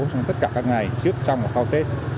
trong tất cả các ngày trước trong và sau tết